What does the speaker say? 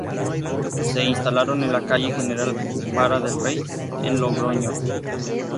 Se instalaron en la calle General Vara del Rey, en Logroño.